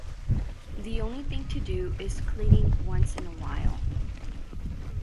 The only thing to do is cleaning once in a while.